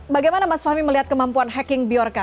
bagaimana mas fahmi melihat kemampuan hacking biorca